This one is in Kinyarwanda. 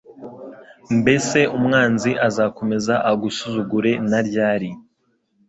Mbese umwanzi azakomeza agusuzugure na ryari?